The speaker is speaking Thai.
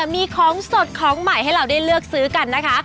มีของสดของใหม่ให้เราได้เลือกซื้อกันนะคะ